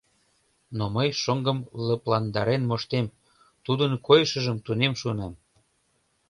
Но мый шоҥгым лыпландарен моштем, тудын койышыжым тунем шуынам.